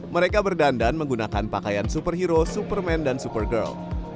mereka berdandan menggunakan pakaian superhero superman dan supergirl